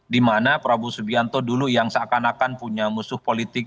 dimana prabowo subianto dulu yang seakan akan punya musuh politik